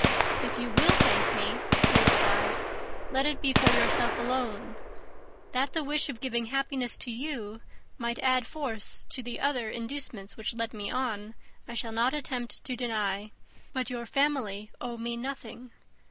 "If you will thank me," he replied, "let it be for yourself alone. That the wish of giving happiness to you might add force to the other inducements which led me on, I shall not attempt to deny. But your family owe me nothing.